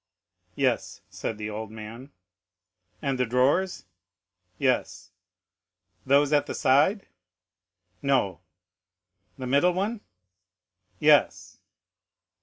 "Yes," said the old man. "And the drawers?" "Yes." "Those at the side?" "No." "The middle one?" "Yes."